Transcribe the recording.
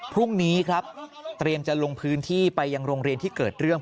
พรุ่งนี้ครับเตรียมจะลงพื้นที่ไปยังโรงเรียนที่เกิดเรื่อง